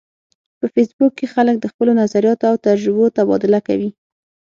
په فېسبوک کې خلک د خپلو نظریاتو او تجربو تبادله کوي